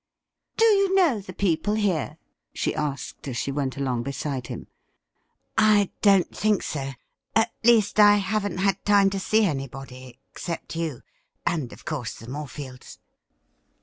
' Do you know the people here ?'' she asked as she went along beside him. ' I don't think so — at least, I haven't had time to see anybody, except you, and, of course, the Morefields.'